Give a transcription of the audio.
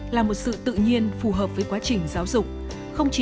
là một sự tự nhiên phù hợp với quá trình giáo dục